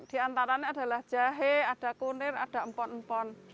di antaranya adalah jahe ada kunir ada empon empon